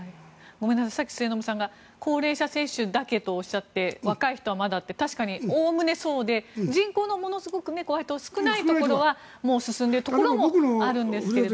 さっき末延さんが高齢者接種だけとおっしゃって若い人はまだって確かにおおむねそうで人口の少ないところは進んでいるところもあるんですけど。